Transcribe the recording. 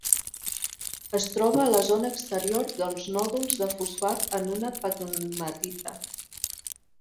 Es troba a la zona exterior dels nòduls de fosfat en una pegmatita.